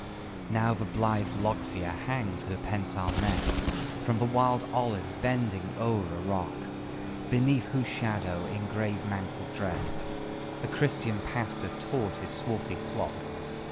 Now the blithe loxia hangs her pensile nest From the wild olive, bending o'er the rock, Beneath whose shadow, in grave mantle drest, The Christian pastor taught his swarthy flock.